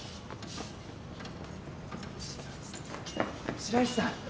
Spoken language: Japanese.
白石さん！